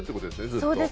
ずっと。